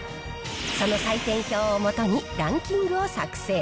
その採点表を基に、ランキングを作成。